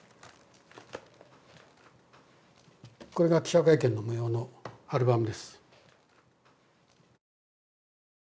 これが記者会見の模様のアルバムです